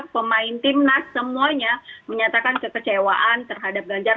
pemain tim nas semuanya menyatakan kekecewaan terhadap ganjar